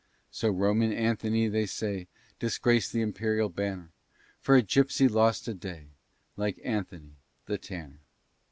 So Roman Anthony, they say, Disgraced th' imperial banner, And for a gypsy lost a day, Like Anthony the tanner.